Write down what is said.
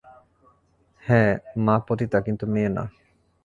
হ্যাঁ, মা পতিতা কিন্তু মেয়ে না।